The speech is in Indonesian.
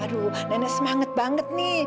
aduh nenek semangat banget nih